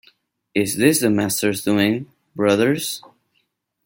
Is this the Master’s doing, brothers?